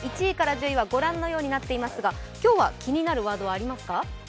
１位から１０位は御覧のようになっていますが、今日は気になるワードはありますか？